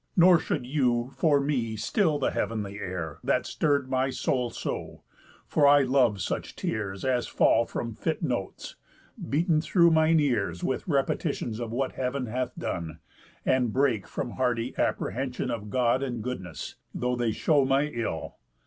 Nor should you, for me, still the heav'nly air, That stirr'd my soul so; for I love such tears As fall from fit notes, beaten through mine ears With repetitions of what heav'n hath done, And break from hearty apprehensión Of God and goodness, though they show my ill.